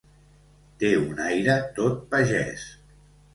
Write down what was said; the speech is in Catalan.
Té un aire tot pagès.